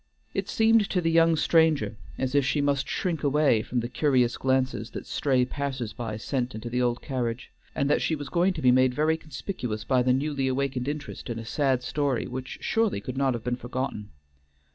It seemed to the young stranger as if she must shrink away from the curious glances that stray passers by sent into the old carriage; and that she was going to be made very conspicuous by the newly awakened interest in a sad story which surely could not have been forgotten.